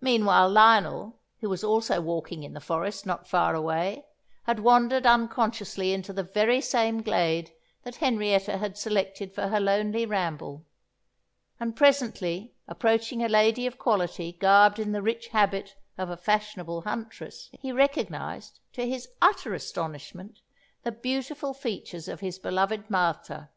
Meanwhile Lionel, who was also walking in the forest not far away, had wandered unconsciously into the very same glade that Henrietta had selected for her lonely ramble, and presently approaching a lady of quality garbed in the rich habit of a fashionable huntress, he recognised, to his utter astonishment, the beautiful features of his beloved Martha.